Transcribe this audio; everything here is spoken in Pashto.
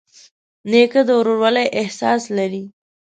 نیکه د ورورولۍ احساس لري.